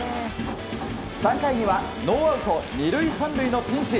３回にはノーアウト２塁３塁のピンチ。